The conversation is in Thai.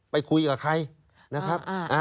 ไปคุยกับใคร